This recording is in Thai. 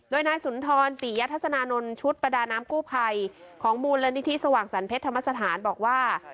โดยนายศุนทรตียทศนานลชุดประดาน้ำกู้ภัยของโมรณนิธิสว่างสันเผ็ดพรรดิภาพศาธารบอกว่า